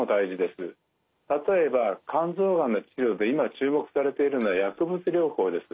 例えば肝臓がんの治療で今注目されているのは薬物療法です。